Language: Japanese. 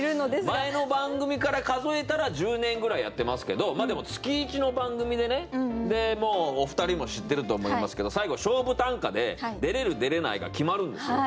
前の番組から数えたら１０年ぐらいやってますけどでも月１の番組でねもうお二人も知ってると思いますけど最後勝負短歌で出れる出れないが決まるんですよ。